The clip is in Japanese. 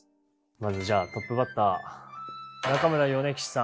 まずじゃあトップバッター中村米吉さん。